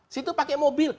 situ pakai mobil